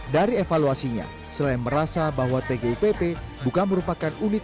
dari evaluasinya selain merasa bahwa tgupp bukan merupakan unit